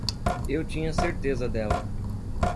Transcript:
Eu tinha certeza dela.